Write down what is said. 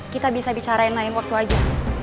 kita bisa bicarain lain waktu aja